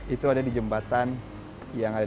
itu ada di jembatan yang ada